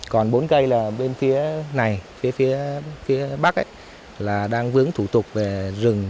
còn bốn cây là bên phía này phía phía bắc là đang vướng thủ tục về rừng